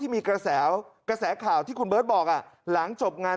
มีกระแสกระแสข่าวที่คุณเบิร์ตบอกหลังจบงาน